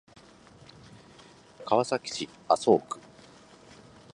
川崎市麻生区